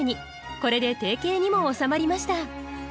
これで定型にも収まりました。